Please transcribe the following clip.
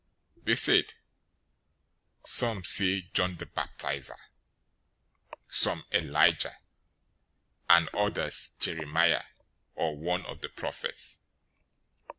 016:014 They said, "Some say John the Baptizer, some, Elijah, and others, Jeremiah, or one of the prophets."